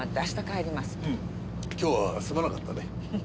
うん今日はすまなかったね。